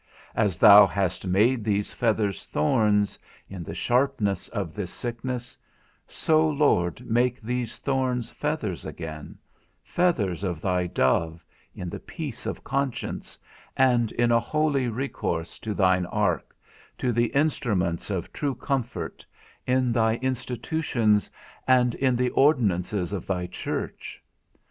As thou hast made these feathers thorns, in the sharpness of this sickness, so, Lord, make these thorns feathers again, feathers of thy dove, in the peace of conscience, and in a holy recourse to thine ark, to the instruments of true comfort, in thy institutions and in the ordinances of thy church.